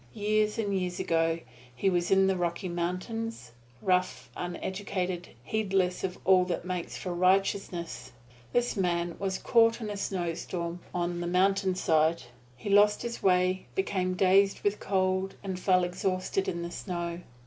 Years and years ago he was in the Rocky Mountains, rough, uneducated, heedless of all that makes for righteousness. This man was caught in a snowstorm, on the mountainside. He lost his way, became dazed with cold and fell exhausted in the snow.